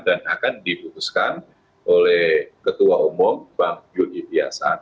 dan akan dibutuhkan oleh ketua umum bank yogyakarta